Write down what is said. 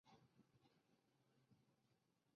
台湾萨盲蝽为盲蝽科萨盲蝽属下的一个种。